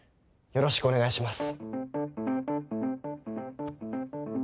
よろしくお願いします。